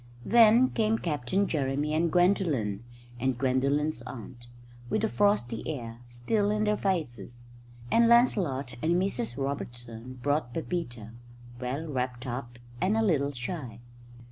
Then came Captain Jeremy and Gwendolen and Gwendolen's aunt, with the frosty air still in their faces; and Lancelot and Mrs Robertson brought Pepita, well wrapped up and a little shy.